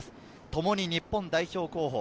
ともに日本代表候補。